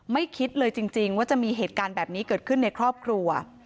คิดเลยจริงว่าจะมีเหตุการณ์แบบนี้เกิดขึ้นในครอบครัว